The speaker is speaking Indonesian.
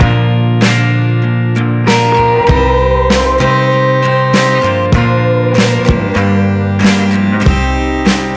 adit bangun adit